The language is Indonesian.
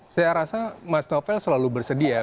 saya rasa mas novel selalu bersedia